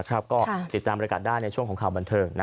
ก็ติดตามบริการได้ในช่วงของข่าวบันเทิง